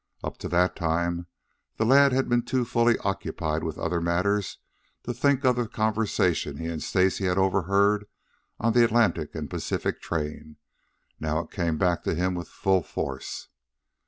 Up to that time the lad had been too fully occupied with other matters to think of the conversation he and Stacy had overheard on the Atlantic and Pacific train. Now it came back to him with full force.